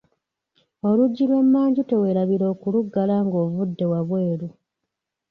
Oluggi lw'emmanju teweerabira okuluggala nga ovudde wabweru.